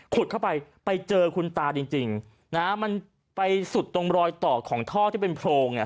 เข้าไปไปเจอคุณตาจริงจริงนะฮะมันไปสุดตรงรอยต่อของท่อที่เป็นโพรงเนี่ย